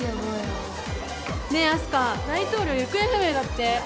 ねえ明日香大統領行方不明だって。